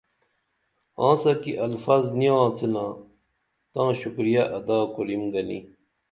آنسہ کی الفظ نی آڅینا تاں شکر ادا کُریم گنی